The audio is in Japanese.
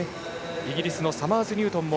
イギリスのサマーズニュートンも